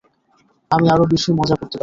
আমি আরো বেশি মজা করতে পারি।